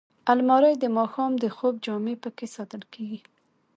الماري د ماښام د خوب جامې پکې ساتل کېږي